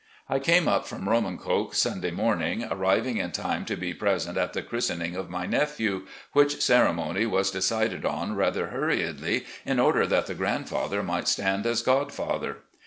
I came up from Romancoke Stmday morning, aniAdng in time to be pres ent at the christening of my nephew, which ceremony was decided on rather hurriedly in order that the grand father might stand as godfather.